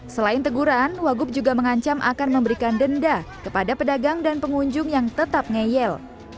selain teguran wagub juga mengancam akan memberikan denda kepada pedagang dan pengunjung yang tetap ngeyel